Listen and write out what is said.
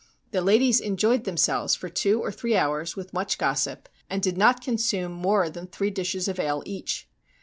The ladies enjoyed themselves for two or three hours with much gossip, and did not consume more than three dishes of ale each.